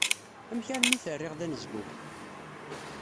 Amek armi t-rriɣ d anezgum?